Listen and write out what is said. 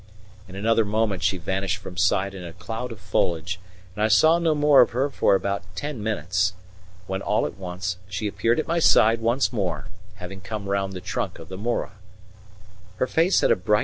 In another moment she vanished from sight in a cloud of foliage, and I saw no more of her for about ten minutes, when all at once she appeared at my side once more, having come round the trunk of the mora.